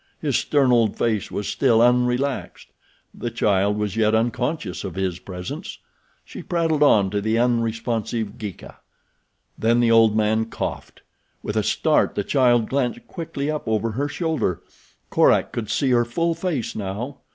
His stern old face was still unrelaxed. The child was yet unconscious of his presence. She prattled on to the unresponsive Geeka. Then the old man coughed. With a start the child glanced quickly up over her shoulder. Korak could see her full face now.